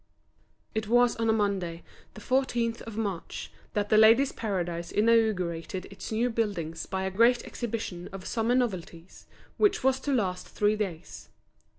It was on a Monday, the 14th of March, that The Ladies' Paradise inaugurated its new buildings by a great exhibition of summer novelties, which was to last three days.